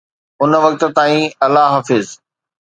ان وقت تائين الله حافظ